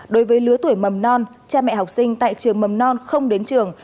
đối với lứa tuổi mầm non cha mẹ học sinh tại trường mầm non không đến trường